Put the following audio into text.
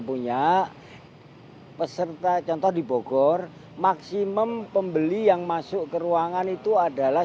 punya peserta contoh di bogor maksimum pembeli yang masuk ke ruangan itu adalah